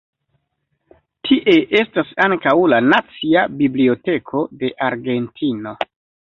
Tie estas ankaŭ la Nacia Biblioteko de Argentino.